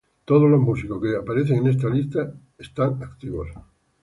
Todos los músicos que aparecen en esta lista están activos.